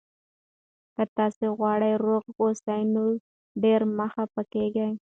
که تاسي غواړئ روغ اوسئ، نو ډېر مه خفه کېږئ.